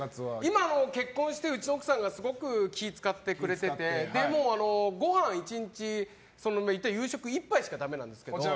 今は結婚して、うちの奥さんがすごく気を使ってくれててごはん１日、夕食１杯だけしかだめなんですけど。